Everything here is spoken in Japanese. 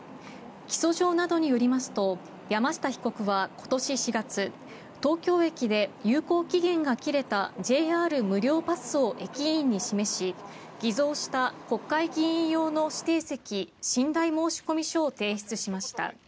起訴状などによりますと山下被告は今年４月、東京駅で有効期限が切れたＪＲ無料パスを駅員に示し偽造した国会議員用の指定席・寝台申込書を提出しました。